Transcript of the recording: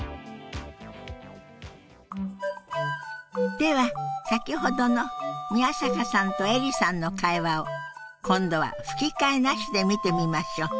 では先ほどの宮坂さんとエリさんの会話を今度は吹き替えなしで見てみましょう。